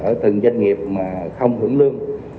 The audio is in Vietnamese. ở từng doanh nghiệp mà không hưởng lương